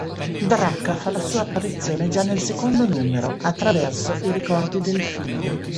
Draka fa la sua apparizione già nel secondo numero, attraverso i ricordi del figlio.